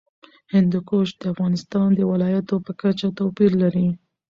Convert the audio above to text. هندوکش د افغانستان د ولایاتو په کچه توپیر لري.